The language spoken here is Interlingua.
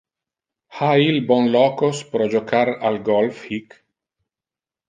Ha il bon locos pro jocar al golf hic?